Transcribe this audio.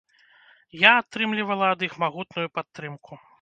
Я атрымлівала ад іх магутную падтрымку.